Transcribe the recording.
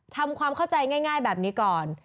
ทำความเข้าใจง่ายแบบนี้ก่อน